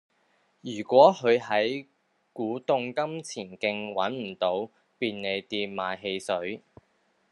如果佢喺古洞金錢徑搵唔到便利店買汽水